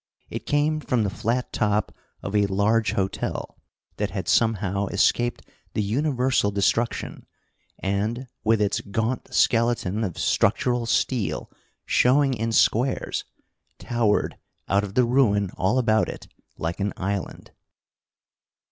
It came from the flat top of a large hotel that had somehow escaped the universal destruction, and, with its gaunt skeleton of structural steel showing in squares, towered out of the ruin all about it like an island.